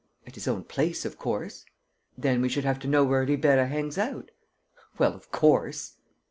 "At his own place, of course." "Then we should have to know where Ribeira hangs out." "Well, of course!"